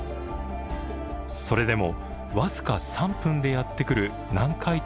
それでも僅か３分でやって来る南海